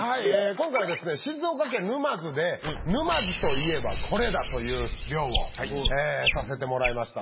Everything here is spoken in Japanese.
今回は、静岡県沼津で、沼津といえばこれだという漁をさせてもらいました。